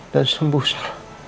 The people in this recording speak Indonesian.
dan sembuh so